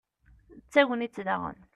d tagnit daɣen